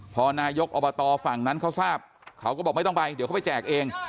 พอนายกอบตฝั่งนั้นเขาทราบเขาก็บอกไม่ต้องไปเดี๋ยวเขาไปแจกเอง